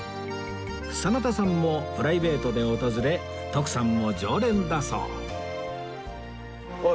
真田さんもプライベートで訪れ徳さんも常連だそう